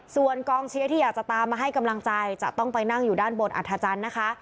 ส่วนกองเชียร์ที่อยากจะตามมาให้กำลังใจจะต้องไปนั่งอยู่ด้านบนอัธจันทร์นะคะ